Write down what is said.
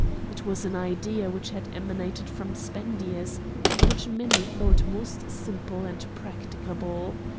It was an idea which had emanated from Spendius, and which many thought most simple and practicable.